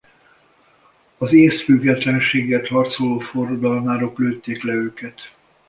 Az észt függetlenségért harcoló forradalmárok lőtték le őket.